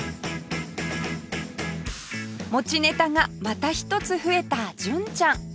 持ちネタがまた一つ増えた純ちゃん